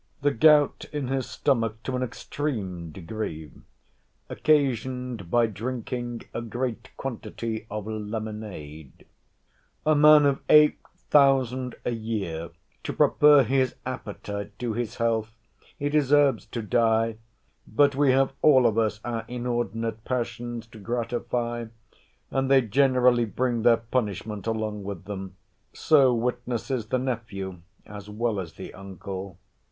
The gout in his stomach to an extreme degree, occasioned by drinking a great quantity of lemonade. A man of 8000£. a year to prefer his appetite to his health!—He deserves to die!—But we have all of us our inordinate passions to gratify: and they generally bring their punishment along with them—so witnesses the nephew, as well as the uncle.